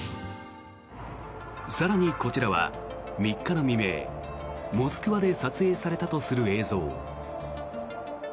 更にこちらは、３日の未明モスクワで撮影されたとする映像。